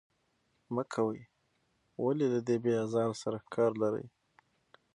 مه کوئ، ولې له دې بې آزار سره کار لرئ.